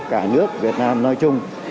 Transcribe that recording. cả nước việt nam nói chung